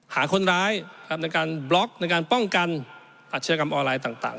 หาคนร้ายในการบล็อกในการป้องกันอาชญากรรมออนไลน์ต่าง